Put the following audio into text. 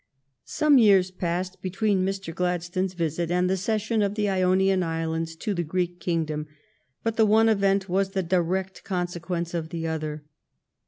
Some years passed between Mr. Glad stone's visit and the cession of the Ionian Islands to the Greek Kingdom, but the one event was the direct consequence of the other.